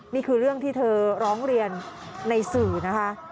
นี่คือเรื่องที่เธอร้องเรียนในสื่อนะคะ